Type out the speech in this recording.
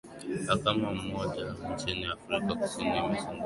akama moja nchini afrika kusini imesongeza mbele siku ya kutoa hukumu